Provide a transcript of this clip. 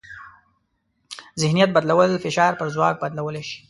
ذهنیت بدلول فشار په ځواک بدلولی شي.